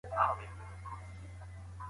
ما تاسي ته په پښتو کي یو خط ولیکی.